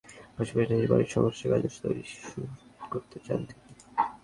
পেশাগত কাজের ব্যস্ততার পাশাপাশি নিজের বাড়ি সংস্কারের কাজও শুরু করতে চান তিনি।